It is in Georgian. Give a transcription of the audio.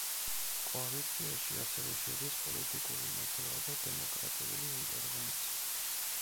კოალიციაში ასევე შედის პოლიტიკური მოძრაობა დემოკრატიული ინტერვენცია.